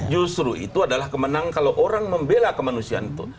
justru itu adalah kemenang kalau orang membela kemanusiaan itu